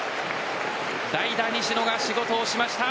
代打・西野が仕事をしました。